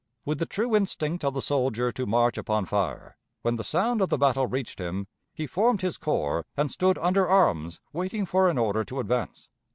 With the true instinct of the soldier to march upon fire, when the sound of the battle reached him, he formed his corps and stood under arms waiting for an order to advance.